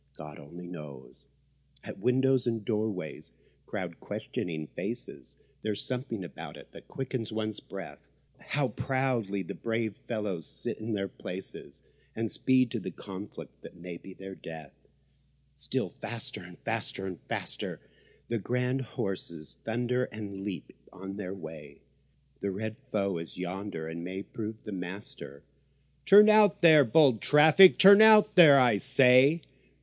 God only knows. At windows and doorways crowd questioning faces; There's something about it that quickens one's breath. How proudly the brave fellows sit in their places— And speed to the conflict that may be their death! Still faster and faster and faster and faster The grand horses thunder and leap on their way The red foe is yonder, and may prove the master; Turn out there, bold traffic—turn out there, I say!